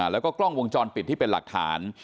แล้วก็กล้องวงจรปิดที่เป็นหลักฐาน